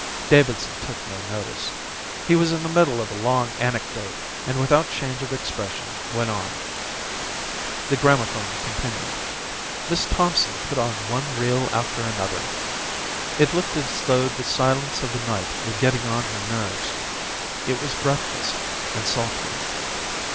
Davidson took no notice. He was in the middle of a long anecdote and without change of expression went on. The gramophone continued. Miss Thompson put on one reel after another. It looked as though the silence of the night were getting on her nerves. It was breathless and sultry.